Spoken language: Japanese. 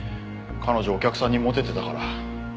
彼女お客さんにモテてたから。